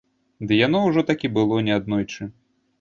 Ды яно ўжо так і было неаднойчы.